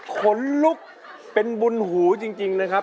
ขนลุกเป็นบุญหูจริงนะครับ